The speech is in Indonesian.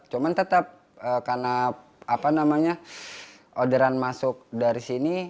cuman tetap karena apa namanya orderan masuk dari sini